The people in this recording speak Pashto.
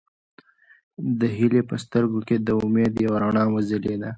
د هیلې په سترګو کې د امید یوه رڼا وځلېده.